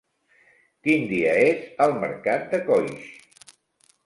Quin dia és el mercat de Coix?